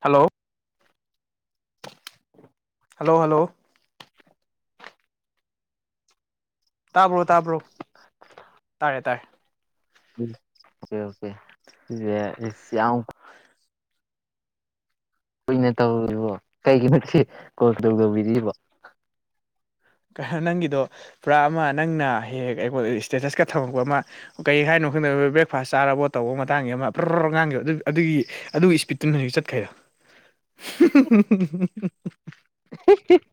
Hello hello hello ꯇꯥꯕ꯭ꯔꯣ- ꯇꯥꯕ꯭ꯔꯣ ꯇꯥꯔꯦ- ꯇꯥꯥꯔꯦ꯫ [unintelligible] ꯀꯨꯏꯅ ꯇꯧꯔꯤꯕꯣ ꯀꯩꯒꯤꯅꯣ ꯉꯁꯤ ꯀꯣꯜꯒ ꯇꯧꯗꯧꯕꯤꯔꯤꯕꯣ? ꯅꯪꯒꯤꯗꯣ ꯄꯨꯔꯥ ꯑꯃ ꯅꯪꯅ ꯍꯦꯛ ꯍꯦꯛ ꯏꯁꯇꯦꯇꯁꯀ ꯊꯝꯃꯛꯄ ꯑꯃ ꯀꯩ ꯍꯥꯏꯅꯣ ꯈꯪꯗꯕ ꯕ꯭ꯔꯦꯛꯐꯥꯁ ꯆꯥꯔꯕꯣ ꯇꯧꯕ ꯃꯇꯥꯡꯒꯤ ꯑꯃ ꯄꯨꯔ ꯉꯥꯡꯈꯤꯕ ꯑꯗꯨꯒꯤ ꯑꯗꯨꯒꯤ ꯏꯁꯄꯤꯠꯇꯨꯅ ꯍꯧꯖꯤꯛ ꯆꯠꯈꯩ [unintelligible] [unintelligible]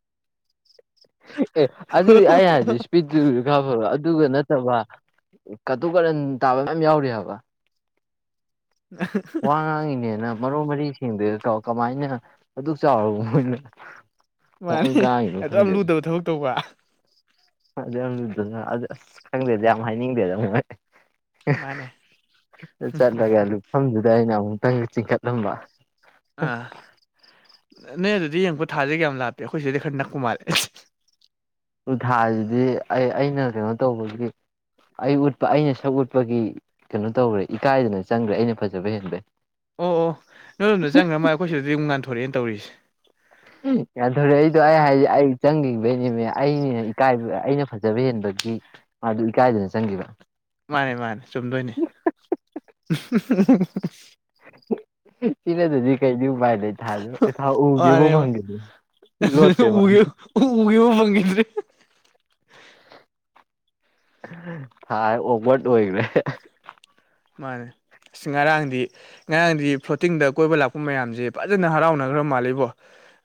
ꯑꯦ ꯑꯗꯨꯗꯤ ꯑꯩ ꯍꯥꯏꯗꯤ [unintelligible] ꯑꯗꯨꯒ ꯅꯠꯇꯕ ꯀꯇꯨ ꯀꯔꯟ ꯇꯥꯕ ꯃꯌꯥꯝ ꯌꯥꯎꯔꯤ ꯍꯥꯏꯕ꯫ ꯋꯥ ꯉꯥꯡꯉꯤꯅꯦꯅ ꯃꯔꯣꯟ ꯃꯔꯤ ꯁꯦꯡꯗꯦ ꯀꯃꯥꯏꯅ ꯑꯗꯨꯛ ꯆꯥꯎꯔꯕ ꯃꯣꯏꯅ꯫ ꯃꯣꯏ ꯃꯥꯅꯦ ꯉꯥꯡꯉꯤꯅꯣ ꯑꯗꯨꯌꯥꯝ ꯈꯪꯗꯦ ꯂꯨꯗꯕ ꯊꯕꯛ ꯇꯧꯕ꯫ [unintelligible] ꯑꯁ ꯈꯪꯗꯦꯗꯤ ꯌꯥꯝ ꯍꯥꯏꯅꯤꯡꯗꯦꯗ ꯃꯣꯏ꯫ ꯃꯥꯅꯦ [unintelligible] ꯑꯗꯨꯗ ꯑꯩꯅ ꯑꯃꯨꯛꯇꯪꯒ ꯆꯤꯡꯈꯠꯂꯝꯕ꯫ ꯑꯥ ꯅꯣꯏ ꯑꯗꯨꯗꯤ ꯌꯦꯡꯉꯛꯄ ꯊꯥꯥꯁꯦ ꯀꯌꯥꯝ ꯂꯥꯞꯄꯦ ꯑꯩꯈꯣꯏ ꯁꯤꯗꯩꯗꯤ ꯈꯔ ꯅꯛꯄ ꯃꯥꯜꯂꯦ꯫ ꯎꯊꯥꯁꯤꯗꯤ ꯑꯩ ꯑꯩꯅ ꯀꯩꯅꯣ ꯇꯧꯕꯒꯤ ꯑꯩ ꯎꯠꯄ ꯑꯩꯅ ꯁꯛ ꯎꯠꯄꯒꯤ ꯀꯩꯅꯣ ꯇꯧꯈ꯭ꯔꯦ ꯏꯀꯥꯏꯗꯅ ꯆꯪꯒ꯭ꯔꯦ ꯑꯩꯅ ꯐꯖꯕ ꯍꯦꯟꯕꯩ꯫ ꯑꯣ ꯑꯣ ꯅꯣꯏꯗꯣꯝꯗ ꯆꯪꯈ꯭ꯔ ꯃꯥ ꯑꯩꯈꯣꯏꯁꯤꯗꯗꯤ ꯑꯃꯨꯛ ꯉꯥꯟꯊꯣꯔꯛꯑꯦꯅ ꯇꯧꯔꯤꯁꯦ꯫ ꯉꯥꯟꯊꯣꯔꯛ ꯏꯗꯣ ꯑꯩ ꯍꯥꯏ ꯑꯩ ꯆꯪꯒꯤꯕꯩꯅꯦꯃꯤ ꯑꯩꯅ ꯏꯀꯥꯏꯕ ꯑꯩꯅ ꯐꯖꯕ ꯍꯦꯟꯕꯒꯤ ꯃꯥꯗꯨ ꯏꯀꯥꯏꯗꯅ ꯆꯪꯒꯤꯕ꯫ ꯃꯥꯅꯦ ꯃꯥꯅꯦ ꯆꯨꯝꯗꯣꯏꯅꯤ꯫ ꯁꯤ ꯅꯠꯇꯗꯤ ꯀꯩꯗꯤ ꯎꯄꯥꯏ ꯂꯩ ꯊꯥꯜ ꯊꯥꯎ ꯎꯒꯦꯕꯨ ꯐꯪꯗꯦ꯫ [unintelligible] ꯎꯒꯦ ꯎꯒꯦꯕꯨ ꯐꯪꯒꯤꯗ꯭ꯔꯦ꯫ ꯊꯥꯏ ꯑꯣꯛꯋꯥꯔꯠ ꯑꯣꯏꯒ꯭ꯔꯦ꯫ ꯃꯥꯅꯦ ꯑꯁ ꯉꯔꯥꯡꯗꯤ ꯉꯔꯥꯡꯗꯤ ꯐ꯭ꯂꯣꯇꯤꯡꯗ ꯀꯣꯏꯕ ꯂꯥꯛꯄ ꯃꯌꯥꯝꯖꯦ ꯐꯖꯅ ꯍꯔꯥꯎꯅꯒ꯭ꯔ ꯃꯥꯜꯂꯦꯕꯣ꯫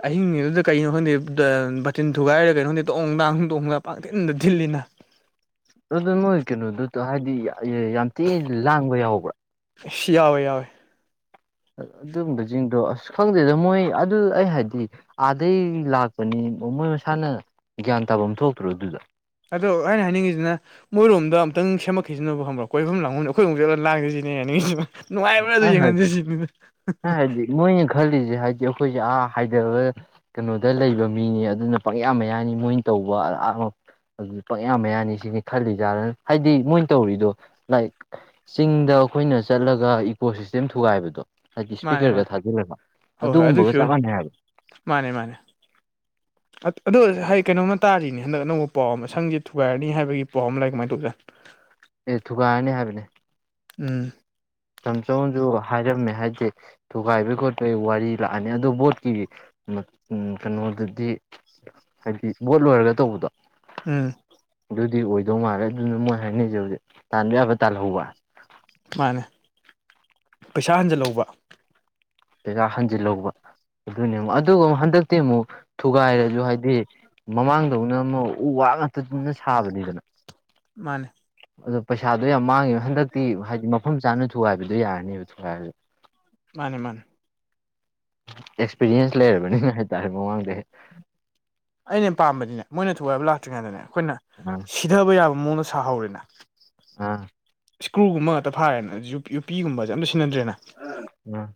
ꯑꯍꯤꯡꯒꯤꯗꯨꯗ ꯀꯩꯅꯣ ꯈꯪꯗꯦ ꯕꯇꯤꯟ ꯊꯨꯒꯥꯏꯔ ꯀꯩꯅꯣ ꯈꯪꯗꯦ ꯗꯣꯡ ꯗꯥꯡ ꯗꯣꯡ ꯗꯥꯡ ꯄꯪꯊꯤꯟꯗ ꯊꯤꯜꯂꯤꯅ꯫ ꯑꯗꯨ ꯅꯣꯏ ꯀꯩꯅꯣꯗꯨꯗ ꯍꯥꯏꯗꯤ ꯃꯌꯥꯝ ꯌꯥꯝ ꯊꯤꯅ ꯂꯥꯡꯕ ꯌꯥꯎꯕ꯭ꯔꯥ? ꯌꯥꯎꯋꯦ ꯌꯥꯎꯋꯦ꯫ ꯑꯗꯨꯝꯕꯁꯤꯡꯗꯣ ꯑꯁ ꯈꯪꯗꯦꯗ ꯃꯣꯏ ꯑꯗꯨ ꯑꯩ ꯍꯥꯏꯗꯤ ꯑꯥꯗꯩ ꯂꯥꯛꯄꯅꯤ ꯃꯣꯏ ꯃꯁꯥꯅ ꯒ꯭ꯌꯥꯟ ꯇꯥꯕꯝ ꯊꯣꯛꯇ꯭ꯔꯣ ꯑꯗꯨꯗꯣ ꯑꯗꯣ ꯑꯩꯅ ꯍꯥꯏꯅꯤꯡꯉꯤꯖꯤꯅ ꯃꯣꯏꯔꯣꯝꯗ ꯑꯝꯇꯪ ꯁꯦꯝꯃꯛꯈꯤꯖꯅꯣꯕ ꯀꯣꯏꯐꯝ ꯂꯥꯡꯕꯝ ꯑꯩꯈꯣꯏ ꯑꯃꯨꯛ ꯆꯠꯂ ꯂꯥꯡꯖꯤꯁꯤꯅꯦ ꯑꯩ ꯍꯥꯏꯅꯤꯡꯉꯤꯁꯤꯅ ꯫ ꯅꯨꯡꯉꯥꯏꯕ꯭ꯔꯥ ꯑꯗꯨ ꯑꯩ ꯍꯥꯏ ꯌꯦꯡꯍꯟꯗꯦ ꯁꯤꯅꯤꯗ ꯍꯥꯏꯗꯤ ꯃꯣꯏꯅ ꯈꯜꯂꯤꯁꯦ ꯍꯥꯏꯗꯤ ꯑꯩꯈꯣꯏꯁꯦ ꯑꯥ ꯍꯥꯏꯗꯕ ꯀꯩꯅꯣꯗ ꯂꯩꯕ ꯃꯤꯅꯤ ꯑꯗꯨꯅ ꯄꯪꯌꯥ ꯃꯌꯥꯅꯤ ꯃꯣꯏꯅ ꯇꯧꯕ ꯑꯥ ꯑꯗꯨ ꯄꯪꯌꯥ ꯃꯌꯥꯅꯤ ꯁꯤꯅꯤ ꯈꯜꯂꯤꯖꯥꯠꯅ ꯍꯥꯏꯗꯤ ꯃꯣꯏꯅ ꯇꯧꯔꯤꯗꯣ ꯂꯥꯏꯛ ꯆꯤꯡꯗ ꯑꯈꯣꯏꯅ ꯆꯠꯂꯒ ꯏꯀꯣ ꯁꯤꯁꯇꯦꯝ ꯊꯨꯒꯥꯏꯕꯗꯣ ꯍꯥꯏꯗꯤ ꯃꯥꯅꯦ ꯏꯁꯄꯤꯀꯔꯒ ꯃꯥꯅꯦ ꯊꯥꯖꯤꯜꯂꯕ ꯍꯣꯏ ꯍꯣꯏ ꯑꯗꯨꯒꯤ ꯑꯗꯨꯒꯨꯝꯕꯒ ꯆꯞ ꯐꯤꯕꯝꯅꯦ ꯃꯥꯟꯅꯩ ꯍꯥꯏꯕ꯫ ꯃꯥꯅꯦ ꯃꯥꯅꯦ꯫ ꯑꯗꯣ ꯍꯥꯏ ꯀꯩꯅꯣꯝꯃ ꯇꯥꯔꯤꯅꯤ ꯍꯟꯗꯛ ꯑꯅꯧꯕ ꯄꯥꯎ ꯑꯃ ꯁꯪꯖꯦ ꯊꯨꯒꯥꯏꯔꯅꯤ ꯍꯥꯏꯕꯒꯤ ꯄꯥꯎ ꯑꯃ ꯂꯩ ꯀꯃꯥꯏ ꯇꯧꯕꯖꯥꯠ ꯑꯦ ꯊꯨꯒꯥꯏꯔꯅꯤ ꯍꯥꯏꯕꯅꯦ꯫ ꯎꯝ ꯇꯝꯆꯧꯅꯁꯨ ꯍꯥꯏꯔꯝꯃꯦ ꯍꯥꯏꯗꯤ ꯊꯨꯒꯥꯏꯕꯩ ꯈꯣꯠꯄꯒꯤ ꯋꯥꯔꯤ ꯂꯥꯛꯑꯅꯤ ꯑꯗꯨ ꯕꯣꯠꯀꯤ ꯎꯝ ꯀꯩꯅꯣꯗꯗꯤ ꯍꯥꯏꯗꯤ ꯚꯣꯠ ꯂꯣꯏꯔꯒ ꯇꯧꯕꯗꯣ ꯎꯝ ꯑꯗꯨꯗꯤ ꯑꯣꯏꯗꯧ ꯃꯥꯜꯂꯦ ꯑꯗꯨꯅ ꯃꯣꯏ ꯍꯥꯏꯅꯩꯖꯦ ꯍꯧꯖꯤꯛ ꯇꯥꯟꯕ ꯌꯥꯕ ꯇꯥꯜꯍꯧꯕ꯫ ꯃꯥꯅꯦ ꯄꯩꯁꯥ ꯍꯟꯖꯜꯍꯧꯕ ꯄꯩꯁꯥ ꯍꯟꯖꯤꯜꯍꯧꯕ ꯑꯗꯨꯅꯦ ꯑꯃꯨꯛ ꯑꯗꯨ ꯍꯟꯗꯛꯇꯤ ꯑꯃꯨꯛ ꯊꯨꯒꯥꯏꯔꯁꯨ ꯍꯥꯏꯗꯤ ꯃꯃꯥꯡꯗꯧꯅ ꯑꯃ ꯎ ꯋꯥ ꯉꯥꯛꯇꯟꯅ ꯁꯥꯕꯅꯤꯗꯅ ꯃꯥꯅꯦ ꯑꯗꯣ ꯄꯩꯁꯥꯗꯣ ꯌꯥꯝ ꯃꯥꯡꯉꯤꯕ ꯍꯟꯗꯛꯇꯤ ꯍꯥꯏꯗꯤ ꯃꯐꯝ ꯆꯥꯅ ꯊꯨꯒꯥꯏꯕꯗꯨꯣ ꯌꯥꯔꯅꯦꯕ ꯊꯨꯒꯥꯏꯕꯗ ꯃꯥꯅꯦ ꯃꯥꯅꯦ ꯑꯦꯛꯁꯄꯤꯔꯤꯌꯦꯟꯁ ꯂꯩꯔꯕꯅꯤꯅ ꯍꯥꯏꯇꯥꯔꯦ ꯃꯃꯥꯡꯗ ꯑꯩꯅ ꯄꯥꯝꯕꯗꯤꯅꯦ ꯃꯣꯏꯅ ꯊꯨꯒꯥꯏꯕ ꯂꯥꯛꯇ꯭ꯔꯤꯉꯩꯗꯅꯦ ꯑꯩꯈꯣꯏꯅ [unintelligible] ꯁꯤꯊꯕ ꯌꯥꯕ ꯃꯑꯣꯡꯗ ꯁꯥꯍꯧꯔꯦꯅ ꯑꯥ ꯏꯁꯀ꯭ꯔꯨꯒꯨꯝꯕ ꯉꯥꯛꯇ ꯐꯥꯔꯦꯅ ꯌꯨꯄꯤꯒꯨꯝꯕꯁꯦ ꯑꯝꯇ ꯁꯤꯟꯅꯗ꯭ꯔꯦꯅ ꯎꯝ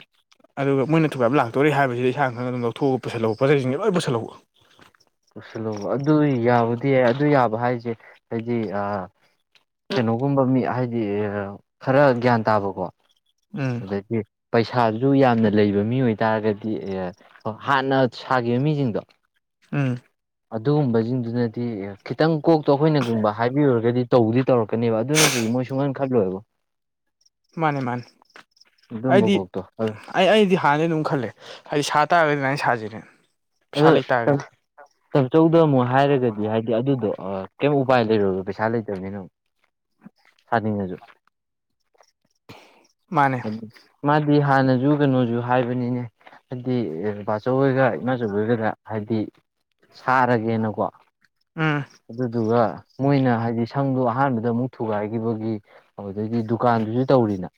ꯑꯗꯨꯒ ꯃꯣꯏ ꯊꯨꯥꯏꯕ ꯂꯥꯛꯇꯣꯔꯦ ꯍꯥꯏꯕꯁꯤꯗꯤ ꯏꯁꯥꯡ ꯈꯅ ꯑꯗꯨꯝ ꯂꯧꯊꯣꯛꯒ ꯄꯨꯁꯜꯍꯧꯕ ꯄꯣꯠꯖꯁꯤꯡꯁ ꯂꯣꯏ ꯄꯨꯁꯜꯍꯛꯎ ꯄꯨꯜꯂꯨꯕ ꯑꯗꯨ ꯌꯥꯕꯨꯗꯤ ꯌꯥ ꯑꯗꯨ ꯌꯥꯕ ꯍꯥꯏꯁꯦ ꯍꯥꯏꯗꯤ ꯀꯩꯅꯣꯒꯨꯝꯕ ꯃꯤ ꯍꯥꯏꯗꯤ ꯈꯔ ꯒ꯭ꯌꯥꯟ ꯇꯥꯕꯀꯣ ꯎꯝ ꯗꯤ ꯄꯩꯁꯥꯗꯨꯁꯨ ꯌꯥꯝꯅ ꯂꯩꯕ ꯃꯤ ꯑꯣꯏꯇꯥꯔꯒꯗꯤ ꯑꯦ ꯑꯣ ꯍꯥꯟꯅ ꯁꯥꯈꯤꯕ ꯃꯤꯁꯤꯡꯗꯣ ꯎꯝ ꯑꯗꯨꯒꯨꯝꯕꯁꯤꯡꯗꯨꯅꯗꯤ ꯑꯦ ꯈꯤꯇꯪ ꯀꯣꯛꯇꯣ ꯑꯩꯈꯣꯏꯅꯒꯨꯝꯕ ꯍꯥꯏꯕꯤꯔꯨꯔꯒꯗꯤ ꯇꯧꯕꯗꯤ ꯇꯧꯔꯛ ꯀꯅꯦꯕ ꯑꯗꯨ ꯅꯠꯇ꯭ꯔꯗꯤ ꯃꯣꯏ ꯁꯨꯡ ꯉꯟ ꯈꯜꯂꯣꯏꯦꯕ ꯃꯥꯅꯦ ꯃꯥꯅꯦ ꯑꯗꯨꯝꯕ ꯑꯩꯗꯤ ꯀꯣꯛꯇꯣ ꯑꯩ ꯑꯩꯗꯤ ꯍꯥꯟꯅꯗꯤ ꯑꯗꯨꯝ ꯈꯜꯂꯦ ꯍꯥꯏꯗꯤ ꯁꯥ ꯇꯥꯔꯒꯗꯤ ꯑꯗꯨꯥꯏꯅ ꯁꯥꯖꯔꯦ [unintelligible] ꯆꯆꯧꯗ ꯑꯃꯨꯛ ꯍꯥꯏꯔꯒꯗꯤ ꯍꯥꯏꯗꯤ ꯑꯗꯨꯗꯣ ꯀꯩꯝ ꯎꯄꯥꯏ ꯂꯩꯔꯨꯔꯒꯣ ꯄꯩꯁꯥ ꯂꯩꯇꯕꯅꯤꯅ ꯑꯃꯨꯛ [inaudible] ꯍꯅꯤꯡꯉꯁꯨ ꯃꯥꯅꯦ ꯃꯥꯗꯤ ꯍꯥꯟꯅꯁꯨ ꯀꯩꯅꯣꯖ ꯍꯥꯏꯕꯅꯤꯅꯦ ꯍꯥꯏꯗꯤ ꯕꯥꯆꯧꯏꯒ ꯅꯁꯨꯕꯗꯨꯗ ꯍꯥꯏꯗꯤ ꯁꯥꯔꯒꯦꯅꯀꯣ ꯎꯝ ꯑꯗꯨꯗꯨꯒ ꯃꯣꯏꯅ ꯍꯥꯏꯗꯤ ꯁꯪꯗꯣ ꯑꯍꯥꯟꯕꯗ ꯑꯃꯨꯛ ꯊꯨꯒꯥꯏꯈꯤꯕꯒꯤ ꯑꯗꯨꯗꯩꯩꯗꯤ ꯗꯨꯀꯥꯟꯗꯨꯁꯨ ꯇꯧꯔꯤꯅ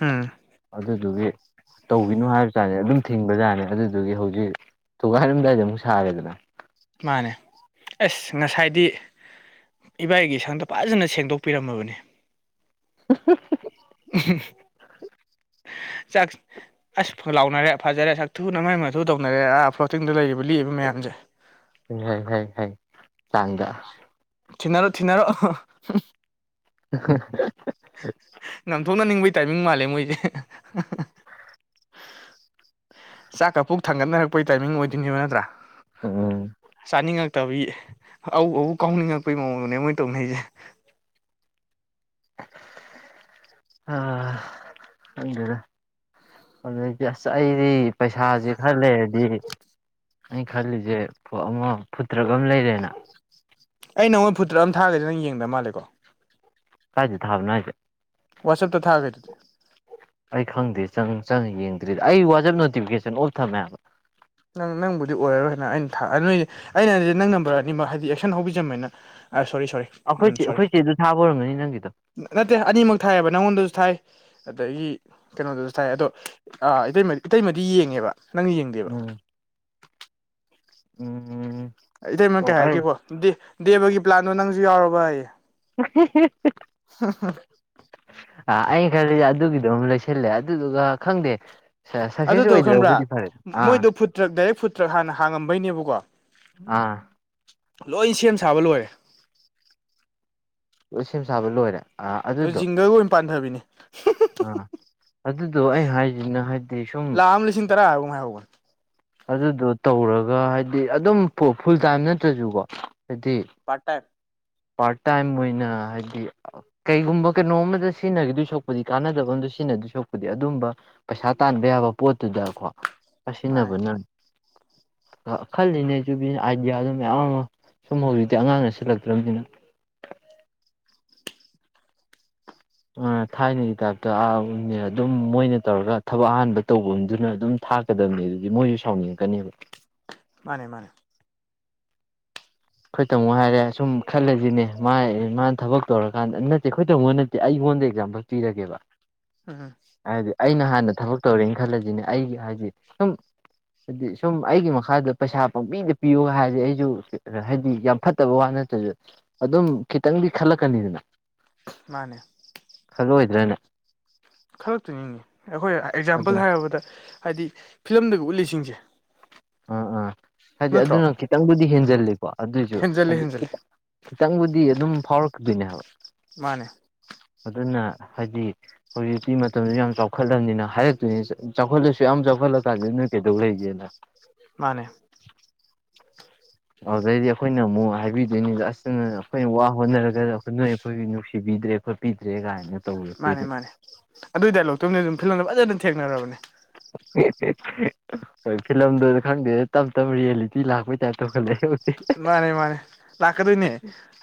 ꯑꯝ ꯑꯗꯨꯗꯨꯒꯤ ꯇꯧꯕꯤꯅꯨ ꯍꯥꯏꯕ ꯇꯥꯅꯤ ꯑꯗꯨꯝ ꯊꯤꯡꯕꯖꯥꯔꯅꯦ ꯑꯗꯨꯗꯨꯒꯤ ꯍꯧꯖꯤꯛ ꯊꯨꯒꯥꯏꯔꯝꯗꯥꯏꯗ ꯑꯃꯨꯛ ꯁꯥꯔꯦꯗꯅ ꯃꯥꯅꯦ ꯑꯁ ꯉꯁꯥꯏꯗꯤ ꯏꯕꯥꯏꯒꯤ ꯁꯪꯗ ꯐꯖꯅ ꯁꯦꯡꯗꯣꯛꯄꯤꯔꯝꯃꯕꯅꯤ [unintelligible] ꯆꯥꯛ ꯑꯁ ꯂꯥꯎꯅꯔꯦ ꯐꯖꯔꯦ ꯁꯛ ꯊꯨꯅ ꯃꯥꯏ ꯃꯊꯨ ꯇꯧꯅꯔꯦ ꯑꯥ ꯐ꯭ꯂꯣꯇꯤꯡꯗ ꯂꯩꯔꯤꯕ ꯂꯤꯛꯏꯕ ꯃꯌꯥꯝꯁꯦ [inaudible] ꯍ ꯍ ꯍ ꯆꯥꯡꯒ ꯊꯤꯅꯔꯣ ꯊꯤꯅꯔꯣ [unintelligible] ꯅꯝꯊꯣꯛꯅꯅꯤꯡꯕꯩ ꯇꯥꯏꯃꯤꯡ ꯃꯥꯜꯂꯦ ꯃꯣꯏꯁꯦ ꯆꯥꯛꯀ ꯄꯨꯛ ꯊꯥꯡꯒꯠꯅꯔꯛꯄꯩ ꯇꯥꯏꯃꯤꯡ ꯑꯣꯏꯗꯣꯏꯅꯦꯕ ꯅꯠꯇ꯭ꯔꯥ ꯎꯝ ꯆꯥꯅꯤꯡꯉꯛꯇꯕ ꯑ ꯑ ꯀꯥꯎꯅꯤꯡꯉꯛꯄꯒꯤ ꯃꯑꯣꯡꯗꯨꯅꯦ ꯃꯣꯏꯅ ꯇꯧꯅꯁꯦ [unintelligible] ꯑꯗꯨꯗ ꯑꯗꯨꯗꯒꯤ ꯑꯁ ꯑꯩꯗꯤ ꯄꯩꯁꯥꯁꯦ ꯈꯔ ꯂꯩꯔꯗꯤ ꯑꯩ ꯈꯜꯂꯤꯁꯦ ꯑꯃ ꯐꯨꯠꯇ꯭ꯔꯒ ꯑꯃ ꯂꯩꯔꯦꯅ ꯑꯩ ꯅꯉꯣꯏ ꯐꯇꯥ ꯑꯃ ꯊꯥꯒꯗꯤ ꯅꯪꯡꯗ ꯃꯥꯂꯦꯀꯣ ꯀꯥꯏꯗ ꯊꯥꯕꯅꯣ ꯍꯥꯏꯁꯦ ꯋꯥꯁꯞ ꯇ ꯊꯥꯒꯔꯤꯗꯨꯗꯤ ꯑꯩ ꯈꯪꯗꯦ ꯆꯪ ꯆꯪ ꯌꯦꯡꯗ꯭ꯔꯤꯗ ꯑꯩ ꯋꯥꯆꯦꯞ ꯅꯣꯇꯤꯐꯤꯀꯦꯁꯟ ꯑꯣꯐ ꯊꯝꯃꯦꯕ ꯅꯪ ꯅꯪꯕꯨꯗꯤ ꯑꯣꯏꯔꯔꯣꯏꯅ ꯑꯩꯅ ꯑꯗꯨ ꯅꯣꯏꯗꯤ ꯑꯩꯅ ꯍꯥꯏꯗꯤ ꯅꯪ ꯅꯝꯕꯔ ꯑꯅꯤꯃꯛ ꯍꯥꯏꯗꯤ ꯑꯦꯛꯁꯟ ꯍꯧꯕꯤꯖꯝꯅ ꯑ ꯁꯣꯔꯤ ꯁꯣꯔꯤ ꯎꯝ ꯑꯩꯈꯣꯏꯆꯦ ꯁꯣꯔꯤ ꯑꯩꯈꯣꯏ ꯆꯦꯗꯣ ꯊꯥꯕ ꯑꯣꯏꯔꯝꯒꯅꯤ ꯅꯪꯒꯤꯗꯣ ꯅꯠꯇꯦ ꯑꯅꯤꯃꯛ ꯊꯥꯏꯑꯦꯕ ꯅꯪꯉꯣꯟꯗꯁꯨ ꯊꯥꯏ ꯑꯗꯒꯤ ꯀꯩꯅꯣꯗꯨꯁꯨ ꯊꯥꯏ ꯑꯗꯣ ꯑ ꯏꯇꯩꯃꯗꯤ ꯌꯦꯡꯉꯦꯕ ꯅꯪ ꯌꯦꯡꯗꯦꯕ ꯎꯝ ꯎꯝ ꯏꯇꯩꯃ ꯑꯣ ꯀꯩ ꯑꯩ ꯍꯥꯏꯔꯛꯀꯦꯕꯣ ꯗꯦꯕꯒꯤ ꯄ꯭ꯂꯥꯟꯗꯣ ꯅꯪꯁꯨ ꯌꯥꯎꯔꯕꯌꯦ ꯍ [unintelligible] ꯑ ꯑꯩ ꯈꯜꯂꯤ ꯑꯗꯨꯒꯤꯗꯨꯝ ꯂꯩꯁꯤꯜꯂꯦ ꯑꯗꯨꯗꯨꯒ ꯈꯪꯗꯦ ꯁꯛꯁꯦꯁ ꯑꯗꯨꯗꯣ ꯈꯪꯕ꯭ꯔꯥ ꯑꯣꯏꯗ꯭ꯔꯕꯨꯗꯤ ꯐꯔꯦ ꯑꯥ ꯃꯣꯏꯗꯣ ꯐꯨꯠꯇ꯭ꯔꯛ ꯗꯥꯏꯔꯦꯛ ꯐꯨꯠꯇ꯭ꯔꯛ ꯍꯥꯟꯅ ꯍꯥꯡꯉꯝꯕꯩꯅꯦꯕꯀꯣ ꯑꯥ ꯂꯣꯏ ꯁꯦꯝ ꯁꯥꯕ ꯂꯣꯏꯔꯦ ꯂꯣꯏ ꯁꯦꯝ ꯁꯥꯕ ꯂꯣꯏꯔꯦ ꯑꯥ ꯑꯗꯨꯗꯣ ꯖꯤꯡꯒꯒ ꯑꯣꯏꯅ ꯄꯥꯟꯊꯕꯤꯅꯦ ꯑꯥ [unintelligible] ꯑꯗꯨꯗꯣ ꯑꯩ ꯍꯥꯏꯁꯤꯅ ꯍꯥꯏꯕꯗꯤ ꯁꯨꯝ ꯇꯔꯥꯒꯨꯝꯉ ꯍꯥꯏꯍꯧꯕꯅꯦ ꯑꯗꯨꯗꯣ ꯇꯧꯔꯒ ꯍꯥꯏꯗꯤ ꯑꯗꯨꯝ ꯐꯨꯜ ꯇꯥꯏꯝ ꯅꯠꯇ꯭ꯔꯁꯨꯀꯣ ꯍꯥꯏꯗꯤ ꯄ꯭ꯔꯥꯇ ꯇꯥꯏꯝ ꯄꯥꯔꯠ ꯇꯥꯏꯝ ꯑꯣꯏꯅ ꯍꯥꯏꯗꯤ ꯀꯩꯒꯨꯝꯕ ꯀꯩꯅꯣꯝ ꯑꯃꯗ ꯁꯤꯖꯤꯟꯅꯈꯤꯗꯨꯏ ꯁꯔꯨꯛꯄꯨꯗꯤ ꯀꯥꯟꯅꯗꯕ ꯑꯃꯗ ꯁꯤꯖꯤꯟꯅꯗꯣꯏ ꯁꯔꯨꯛꯄꯨꯗꯤ ꯑꯗꯨꯝꯕ ꯄꯩꯁꯥ ꯇꯥꯟꯕ ꯌꯥꯕ ꯄꯣꯠꯇꯨꯗꯀꯣ ꯃꯥꯅꯦ ꯁꯤꯟꯅꯕꯅ ꯈꯜꯂꯤꯅꯦ ꯑꯩꯁꯨꯨ ꯕꯤ ꯑꯥꯏꯗꯤꯌꯥꯗꯨ ꯃꯌꯥꯝ ꯑꯃ ꯁꯨꯝ ꯍꯧꯖꯤꯛꯇꯤ ꯑꯉꯥꯡꯅ ꯁꯤꯟꯂꯛꯇ꯭ꯔꯕꯅꯤꯅ ꯑ ꯊꯥꯏꯅꯒꯤ ꯇꯥꯏꯞꯇ ꯑ ꯑꯗꯨꯝ ꯃꯣꯏꯅ ꯇꯧꯔꯒ ꯊꯕꯛ ꯑꯍꯥꯟꯕ ꯇꯧꯕ ꯃꯤꯗꯨꯅ ꯑꯗꯨꯝ ꯊꯥꯛ ꯆꯠꯀꯗꯝꯅꯤ ꯑꯗꯨꯗꯤ ꯃꯣꯏꯁꯨ ꯁꯥꯎꯅꯤꯡꯉꯛꯀꯅꯦꯕ ꯃꯥꯅꯦ ꯃꯥꯅꯦ ꯑꯩꯈꯣꯏ ꯇꯥꯃꯣ ꯍꯥꯏꯔꯦ ꯁꯨꯝ ꯈꯜꯂꯁꯤꯅꯦ ꯃꯥ ꯃꯥꯅ ꯊꯕꯛ ꯇꯧꯔꯀꯥꯟꯗ ꯅꯠꯇꯦ ꯑꯩꯈꯣꯏ ꯇꯃꯣ ꯅꯠꯇꯦ ꯑꯩꯉꯣꯟꯗ ꯑꯦꯛꯖꯥꯝꯄꯜ ꯄꯤꯔꯒꯦꯕ ꯎꯝ ꯍꯥꯏꯗꯤ ꯑꯩꯅ ꯍꯥꯟꯅ ꯊꯕꯛ ꯇꯧꯔꯦꯅ ꯈꯜꯂꯁꯤꯅꯦ ꯑꯩꯒꯤ ꯍꯥꯏꯗꯤ ꯁꯨꯝ ꯍꯥꯏꯗꯤ ꯁꯨꯝ ꯑꯩꯒꯤ ꯃꯈꯥꯗ ꯄꯩꯁꯥ ꯄꯥꯝꯕꯤꯗ ꯄꯤꯌꯣ ꯍꯥꯏꯔꯗꯤ ꯑꯩꯁꯨ ꯍꯥꯏꯗꯤ ꯌꯥꯝ ꯐꯠꯇꯕ ꯋꯥ ꯅꯠꯇ꯭ꯔꯁꯨ ꯑꯗꯨꯝ ꯈꯤꯇꯪꯗꯤ ꯈꯜꯂꯛꯀꯅꯤꯗꯅ ꯃꯥꯅꯦ ꯈꯜꯂꯣꯏꯗ꯭ꯔꯅꯦ ꯈꯟꯂꯛꯇꯣꯏꯅꯤꯅꯦ ꯑꯩꯈꯣꯏ ꯑꯗꯨ ꯑꯦꯛꯖꯥꯝꯄꯜ ꯍꯥꯏꯔꯕꯗ ꯍꯥꯏꯗꯤ ꯐꯤꯂꯝꯗꯒꯤ ꯎꯠꯂꯤꯁꯤꯡꯁꯦ ꯑꯥ ꯑꯥ ꯍꯥꯏꯗꯤ ꯅꯠꯇ꯭ꯔꯣ ꯑꯗꯨꯅ ꯈꯤꯇꯪꯕꯨꯗꯤ ꯍꯦꯟꯖꯤꯜꯂꯤꯀꯣ ꯑꯗꯨꯑꯣꯏꯁꯨ ꯍꯦꯟꯖꯜꯂꯦ ꯍꯥꯏꯗꯤ ꯍꯦꯟꯖꯜꯂꯦ ꯈꯤꯇꯪ ꯈꯤꯇꯪꯕꯨꯗꯤ ꯑꯗꯨꯝ ꯐꯥꯎꯔꯛꯀꯗꯣꯏꯅꯦ ꯍꯥꯏꯕ ꯃꯥꯅꯦ ꯑꯗꯨꯅ ꯍꯥꯏꯗꯤ ꯍꯧꯖꯤꯛꯇꯤ ꯃꯇꯝꯗꯨ ꯌꯥꯝ ꯆꯥꯎꯈꯠꯂꯕꯅꯤꯅ ꯍꯥꯏꯔꯛꯇꯣꯏꯅꯤ ꯆꯥꯎꯈꯠꯂꯁꯨ ꯌꯥꯝ ꯆꯥꯎꯈꯠꯂꯀꯥꯟꯁꯤꯗ ꯅꯣꯏ ꯀꯩꯗꯧ ꯂꯩꯒꯦꯅ ꯃꯥꯅꯦ ꯑꯗꯨꯗꯩꯗꯤ ꯑꯩꯈꯣꯏꯅ ꯑꯃꯨꯛ ꯍꯥꯏꯕꯤꯗꯣꯏꯅꯤ ꯑꯁ ꯑꯩꯈꯣꯏꯅ ꯋꯥ ꯍꯣꯠꯅꯔꯒꯗ ꯅꯣꯏ ꯑꯩꯈꯣꯏꯒꯤ ꯅꯨꯡꯁꯤꯕꯤꯗ꯭ꯔꯦ ꯑꯩ ꯕꯤꯗ꯭ꯔꯦ ꯒꯥꯏꯅ ꯃꯥꯅꯦ ꯃꯥꯅꯦ ꯑꯗꯨꯏ ꯗꯥꯏꯂꯣꯛꯇꯨꯅꯤ ꯑꯗꯨꯝ ꯐꯤꯂꯝꯗ ꯐꯖꯅ ꯊꯦꯡꯅꯔꯕꯅꯦ [unintelligible] ꯍꯣꯏ ꯐꯤꯂꯝꯗꯨꯗ ꯈꯪꯗꯦ ꯇꯞ ꯇꯞ ꯔꯤꯌꯦꯂꯤꯇꯤ ꯂꯥꯛꯄꯩ ꯇꯥꯏꯞ ꯇꯧꯈꯠꯂꯛꯑ ꯃꯥꯅꯦ ꯃꯥꯅꯦ ꯂꯥꯛꯀꯗꯣꯏꯅꯦ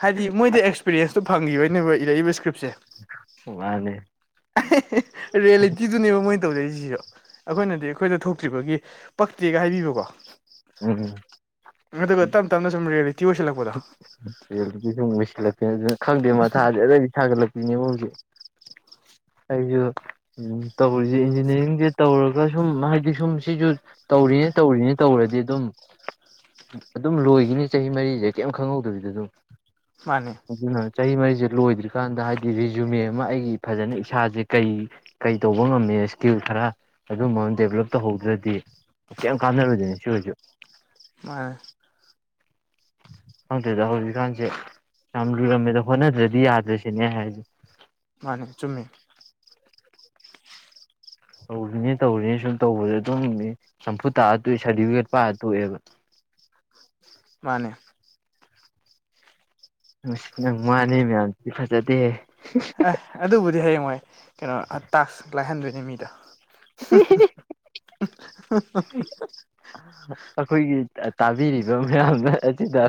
ꯍꯥꯏꯗꯤ ꯃꯣꯏꯗꯤ ꯑꯦꯁ ꯑꯦꯛꯄꯤꯔꯤꯦꯟꯁꯇꯨ ꯐꯪꯈꯤꯕꯩꯅꯦꯕ ꯏꯛꯏꯕ ꯏꯁꯀ꯭ꯔꯤꯞꯁꯦ ꯋꯥꯅꯦ ꯔꯔꯤꯌꯦꯂꯤꯖꯤ ꯑꯗꯨꯅꯦꯕ ꯃꯣꯏꯅ ꯇꯧꯖꯩꯔꯤꯁꯤꯁꯨ ꯑꯩꯈꯣꯏꯅꯗꯤ ꯑꯩꯈꯣꯏꯗ ꯊꯣꯛꯇ꯭ꯔꯤꯕꯒꯤ ꯄꯛꯇꯦꯒ ꯍꯥꯏꯕꯤꯕꯀꯣ ꯎꯝ ꯑꯗꯨꯒ ꯇꯞ ꯇꯞꯅ ꯁꯨꯝ ꯔꯤꯌꯦꯂꯤꯇꯤ ꯑꯣꯏꯁꯜꯂꯛꯄꯗꯣ ꯦꯜꯒꯤ ꯁꯨꯝ ꯃꯩꯁꯤꯜꯂꯛꯄꯦꯅ ꯑꯗꯨ ꯈꯪꯗꯦ ꯃꯊꯥꯁꯦ ꯑꯩꯗꯤ ꯁꯥꯒꯠꯂꯛꯄꯤꯅꯦꯕ ꯍꯧꯖꯤꯛ ꯑꯩꯁꯨ ꯇꯧꯔꯤꯁꯦ ꯏꯟꯖꯤꯅꯤꯌꯥꯔꯤꯡꯁꯦ ꯇꯧꯔꯒ ꯁꯨꯝ ꯍꯥꯏꯗꯤ ꯁꯨꯝ ꯁꯤꯁꯨ ꯇꯧꯔꯤꯅꯦ ꯇꯧꯔꯤꯅꯦ ꯇꯧꯔꯗꯤ ꯑꯗꯨꯝ ꯑꯗꯨꯝ ꯂꯣꯏꯈꯤꯅꯤ ꯆꯍꯤ ꯃꯔꯤꯁꯦ ꯀꯔꯤꯝ ꯈꯪꯍꯧꯗꯕꯤꯗ ꯑꯗꯨꯝ ꯃꯥꯅꯦ ꯑꯗꯨꯅ ꯆꯍꯤ ꯃꯔꯤꯁꯦ ꯂꯣꯏꯗ꯭ꯔꯤꯀꯥꯟꯗ ꯍꯥꯏꯗꯤ ꯔꯤꯖꯨꯃꯦ ꯑꯃ ꯑꯩꯒꯤ ꯐꯖꯅ ꯏꯁꯥꯁꯦ ꯀꯩ ꯀꯩ ꯇꯧꯕ ꯉꯝꯃꯦ ꯏꯁꯀꯤꯜ ꯈꯔ ꯑꯗꯨꯝꯕ ꯑꯃ ꯗꯦꯕꯂꯞ ꯇꯧꯍꯧꯗ꯭ꯔꯗꯤ ꯀꯩ ꯀꯥꯅꯔꯗꯨꯅꯦ ꯁꯤꯨꯔꯁꯨ ꯃꯥ ꯈꯪꯗ꯭ꯔꯦꯗ ꯍꯧꯖꯤꯛꯀꯥꯟꯁꯦ ꯌꯥꯝ ꯂꯣꯏꯨꯔꯝꯃꯦꯗ ꯍꯣꯠꯅꯗ꯭ꯔꯗꯤ ꯌꯥꯗ꯭ꯔꯦꯁꯤꯅꯦ ꯍꯥꯏꯁꯦ ꯃꯥꯅꯦ ꯆꯨꯝꯃꯦ ꯇꯧꯔꯤꯅꯦ ꯇꯧꯔꯤꯅꯦ ꯁꯨꯝ ꯇꯧꯕꯗ ꯑꯗꯨꯝ ꯆꯝꯐꯨꯠ ꯇꯥꯛꯑ ꯇꯣꯛꯑꯦ ꯁꯥꯔꯇꯤꯐꯤꯀꯦꯠ ꯄꯥꯔ ꯇꯣꯛꯑꯦꯕ ꯃꯥꯅꯦ ꯅꯪ ꯃꯥꯅꯤ ꯃꯌꯥꯝꯁꯤꯗꯤ ꯐꯖꯗꯦ ꯑꯦ ꯑꯗꯨꯕꯨꯗꯤ ꯍꯌꯦꯡ ꯃꯣꯏ ꯀꯩꯅꯣ ꯇꯥꯛꯁ ꯂꯥꯏꯍꯟꯗꯣꯏꯅꯤ ꯃꯤꯗ [inaudible] [inaudible] ꯑꯩꯈꯣꯏꯒꯤ ꯇꯥꯕꯤꯔꯤꯕ ꯃꯌꯥꯝꯅ ꯑꯁꯤꯗ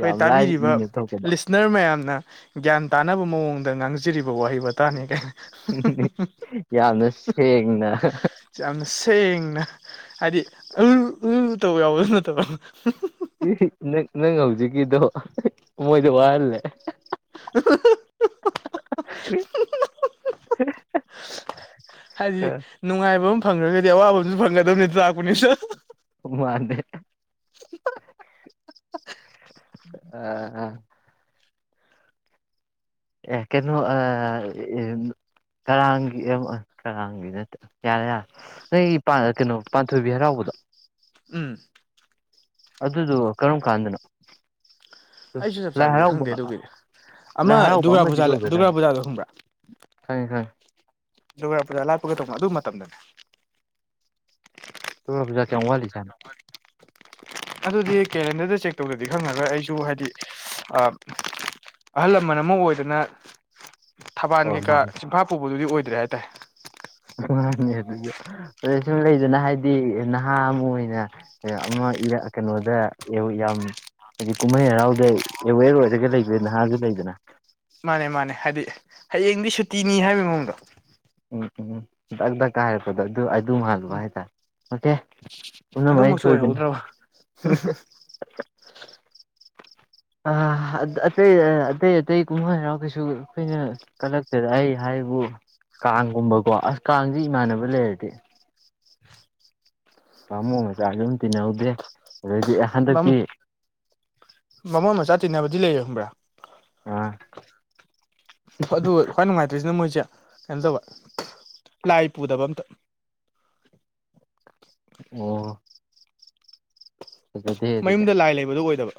ꯌꯥꯝ ꯂꯥꯏꯅ ꯏꯅ ꯊꯣꯛꯄꯗꯣ ꯅꯔ ꯃꯌꯥꯝꯅ ꯒ꯭ꯌꯥꯟ ꯇꯥꯅꯕ ꯃꯑꯣꯡꯗ ꯉꯥꯡꯖꯔꯤꯕ ꯋꯥꯍꯩ ꯇꯥꯅꯤ ꯀꯅꯦ ꯌꯥꯝꯅ ꯁꯦꯡꯅ ꯌꯥꯝꯅ ꯁꯦꯡꯅ ꯍꯥꯏꯗꯤ ꯑ ꯑꯨ ꯇꯧ ꯌꯥꯎꯕꯁꯨ ꯅꯠꯇꯕ ꯅꯪ ꯅꯪ ꯍꯧꯖꯤꯛꯀꯤꯗꯣ ꯃꯣꯏꯗ ꯋꯥꯍꯜꯂꯦ [unintelligible] ꯍꯥꯏꯖꯤ [unintelligible] ꯅꯨꯡꯉꯥꯏꯕ ꯑꯃ ꯐꯪꯈ꯭ꯔꯒꯗꯤ ꯑꯋꯥꯕ ꯑꯃꯁꯨ ꯐꯪꯒꯗꯕꯅꯤ ꯂꯥꯛꯄꯅꯤꯁꯨ ꯃꯥꯗꯦ ꯑ ꯑ ꯌꯥꯀꯦꯅꯣ ꯑ ꯀꯔꯥꯡꯒꯤ ꯑꯃ ꯀꯔꯥꯡꯒꯤ ꯅꯠꯇ ꯀꯌꯥ ꯅꯣꯏ ꯀꯩꯅꯣ ꯄꯥꯟꯊꯣꯏꯕꯤ ꯍꯔꯥꯎꯕꯗꯣ ꯎꯝ ꯑꯗꯨꯗꯨ ꯀꯔꯝ ꯀꯥꯟꯗꯅꯣ ꯑꯩꯁꯨ ꯆꯞ ꯂꯥꯏ ꯆꯥꯕꯤꯗꯤ ꯍꯔꯥꯎꯕ ꯈꯪꯗꯦ ꯑꯗꯨꯒꯤꯗꯤ ꯑꯃ ꯂꯥꯏ ꯍꯔꯥꯎꯕ ꯗꯨꯔꯒꯥ ꯄꯨꯖꯥ ꯗꯨꯔꯒꯥ ꯄꯨꯖꯥꯗꯣ ꯈꯪꯕ꯭ꯔꯥ ꯊꯪ ꯐꯥꯏ ꯗꯨꯔꯒꯥ ꯄꯨꯖꯥ ꯂꯥꯞꯄꯒ ꯇꯧꯕꯣ ꯑꯗꯨ ꯃꯇꯝꯗꯅꯦ ꯊꯖꯥ ꯀꯌꯥ ꯋꯥ ꯋꯥꯔꯤꯂꯤ ꯆꯥꯟꯅ ꯑꯗꯨꯗꯤ ꯀꯦꯂꯦꯟꯗꯔꯗ ꯆꯦꯛ ꯇꯧꯗꯗꯤ ꯈꯪꯉꯒ ꯑꯩꯁꯨ ꯍꯥꯏꯗꯤ ꯑꯍꯜ ꯂꯃꯟ ꯑꯃ ꯑꯣꯏꯗꯅ ꯊꯕꯥꯜ ꯑꯣ ꯀꯩꯀꯥ ꯃꯥꯅꯦ ꯆꯝꯐꯥ ꯄꯨꯕꯗꯨꯗꯤ ꯑꯣꯏꯗ꯭ꯔꯦ ꯍꯥꯏꯇꯥꯔꯦ ꯃꯥꯅꯦ ꯑꯗꯨꯗ ꯑꯗꯩ ꯁꯨꯝ ꯂꯩꯗꯅ ꯍꯥꯏꯗꯤ ꯅꯍꯥ ꯑꯃ ꯑꯣꯏꯅ ꯑꯃ ꯀꯩꯅꯣꯗ ꯌꯥꯝ ꯍꯥꯏꯗꯤ ꯀꯨꯝꯍꯩ ꯍꯔꯥꯎꯗ ꯑꯦꯋꯦꯔ ꯑꯣꯏꯔꯒ ꯂꯩꯕ ꯅꯍꯥꯁꯨ ꯂꯩꯗꯅ ꯃꯥꯅꯦ ꯃꯥꯅꯦ ꯍꯥꯏꯗꯤ ꯍꯌꯦꯡꯗꯤ ꯁꯨꯇꯤꯅꯤ ꯍꯥꯏꯕ ꯃꯑꯣꯡꯗꯣ ꯎꯝ ꯎꯝ ꯎꯝꯗꯗꯛꯀꯥꯏ ꯍꯥꯏꯔꯛꯄꯗꯣ ꯑꯗꯨ ꯑꯗꯨꯝ ꯍꯥꯜꯂꯨ ꯎꯝ ꯍꯥꯏꯇꯥꯔꯦ ꯑꯣꯀꯦ ꯄꯨꯟꯅ ꯃꯥꯥꯏ ꯑꯗꯨꯃꯛꯁꯨ ꯆꯣꯗꯗꯅꯤ ꯑꯣꯏꯍꯧꯗ꯭ꯔꯕ ꯑꯇꯩ ꯑꯇꯩ ꯑꯇꯩ ꯀꯨꯝꯍꯩ ꯍꯔꯥꯎ ꯀꯩꯁꯨ ꯑꯩꯈꯣꯏꯅ ꯀꯂꯛꯇꯦꯗ ꯑꯩ ꯍꯥꯏꯕꯨ ꯀꯥꯡꯒꯨꯝꯕꯀꯣ ꯑꯁ ꯀꯥꯡꯖꯤ ꯏꯃꯥꯟꯅꯕ ꯂꯩꯔꯗꯤ ꯕꯥꯃꯣꯟ ꯃꯆꯥꯁꯨ ꯑꯗꯨꯝ ꯇꯤꯟꯅꯍꯧꯗꯦ ꯑꯗꯩꯗꯤ ꯍꯟꯗꯛꯇꯤ ꯕꯃꯣꯟ ꯃꯆꯥ ꯇꯤꯟꯅꯕꯗꯤ ꯂꯩ ꯈꯪꯕ꯭ꯔꯥ ꯑꯥ ꯑꯗꯨ ꯈ꯭ꯋꯥꯏ ꯅꯨꯡꯉꯥꯏꯇ꯭ꯔꯤꯁꯤꯅ ꯃꯣꯏꯁꯦ ꯀꯩꯅꯣ ꯇꯧꯕ [unintelligible] ꯄꯂꯥꯏ ꯄꯨꯗꯕ ꯑꯃꯇ ꯑꯣ ꯐꯖꯗꯦ ꯑꯗꯨꯗꯤ ꯃꯌꯨꯝꯗ ꯂꯥꯏ ꯂꯩꯕꯗꯣ ꯑꯣꯏꯗꯕ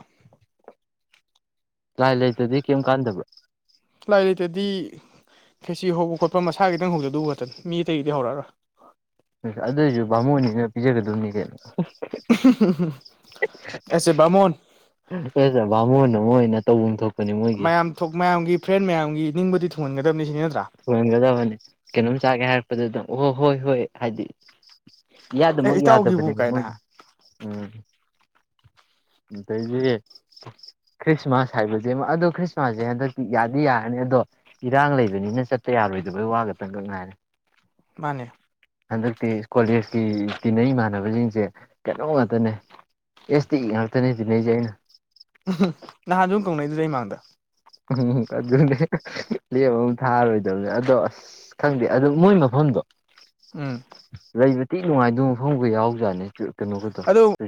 ꯂꯥꯏ ꯂꯩꯇꯗꯤ ꯀꯩꯝ ꯀꯥꯟꯗꯕ꯭ꯔꯥ ꯂꯥꯏ ꯂꯩꯇꯗꯤ ꯈꯦꯆꯤ ꯍꯧꯕ ꯈꯣꯠꯄ ꯃꯁꯥꯒꯤꯈꯤꯇꯪ ꯍꯧꯖꯗꯨꯕ ꯈꯛꯇꯅꯤ ꯃꯤ ꯑꯇꯩꯒꯤꯗꯤ ꯍꯧꯔꯛ ꯑꯔꯣꯏ ꯑ‌ꯦ ꯑꯗꯨ ꯑꯣꯏꯖꯨ ꯕꯥꯥꯃꯣꯜ ꯅꯤꯅ ꯄꯤꯖꯒꯗꯕꯅꯤ ꯀꯩꯅꯣ [unintelligible] ꯑꯦꯁ ꯑꯦ ꯕꯃꯣꯟ ꯑꯦꯁ ꯑꯦ ꯕꯥꯃꯣꯟ ꯑꯃ ꯑꯣꯏꯅ ꯇꯧꯐꯝ ꯊꯣꯛ ꯃꯌꯥꯝ ꯊꯨꯡ ꯃꯌꯥꯝꯒꯤ ꯐ꯭ꯔꯦꯟ ꯃꯌꯥꯝꯒꯤ ꯅꯤꯡꯕꯗꯤ ꯊꯨꯡꯍꯟꯒꯗꯕꯅꯤ ꯁꯤꯅꯤ ꯅꯠꯇ꯭ꯔꯥ ꯊꯨꯡꯍꯟꯒꯗꯕꯅꯤ ꯀꯩꯅꯣꯝ ꯆꯥꯒꯦ ꯍꯥꯏꯔꯛꯄꯗ ꯗꯨꯝ ꯍꯣ ꯍꯣꯏ ꯍꯣꯏ ꯍꯥꯏꯗꯤ ꯏꯌꯥꯗ ꯑꯦ ꯃꯛ ꯏꯇꯥꯎꯒꯤꯕꯨ ꯌꯥꯗꯕꯅꯦꯕ ꯀꯥꯏꯅ ꯍꯥ ꯃꯣꯏꯒꯤ ꯎꯝ ꯑꯗꯩꯗꯤ ꯈ꯭ꯔꯤꯁꯃꯥꯁ ꯍꯥꯏꯕꯖꯦꯃ ꯑꯗꯣ ꯈ꯭ꯔꯤꯁꯃꯥꯁꯖꯦ ꯍꯟꯗꯛꯇꯤ ꯌꯥꯗꯤ ꯌꯥꯔꯅꯤ ꯑꯗꯣ ꯏꯔꯥꯡ ꯂꯩꯕꯅꯤꯅ ꯆꯠꯄ ꯌꯥꯔꯣꯏꯗꯕꯩ ꯋꯥ ꯈꯇꯪꯒ ꯉꯥꯏꯔꯦ ꯃꯥꯅꯦ ꯍꯟꯗꯛꯇꯤ ꯀꯣꯂꯦꯖꯀꯤ ꯇꯤꯟꯅꯩ ꯏꯃꯥꯟꯅꯕꯁꯤꯡꯁꯦ ꯀꯩꯅꯣ ꯉꯥꯛꯇꯅꯦ ꯑꯦꯁ ꯇꯤ ꯉꯥꯛꯇꯅꯦ ꯇꯤꯟꯅꯩꯖꯦ ꯑꯩꯅ ꯅꯍꯥꯟꯖꯨ ꯀꯧꯅꯩꯗꯨꯗꯤ ꯑꯩ ꯃꯥꯡꯗ ꯑꯗꯨꯅꯦ ꯂꯦꯝ ꯑꯃ ꯊꯥꯔꯣꯏꯗꯕꯅꯦ ꯑꯗꯣ ꯑꯁ ꯈꯪꯗꯦ ꯑꯗꯨ ꯃꯣꯏ ꯃꯐꯝꯗꯣ ꯎꯝ ꯂꯩꯕꯗꯤ ꯅꯨꯡꯉꯥꯏꯗꯨꯕ ꯃꯐꯝꯒ ꯌꯥꯎꯖꯥꯠꯅꯦ ꯀꯩꯅꯣꯒꯗꯣ ꯑꯗꯣ